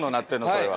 それは。